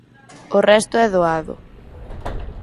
O resto é doado.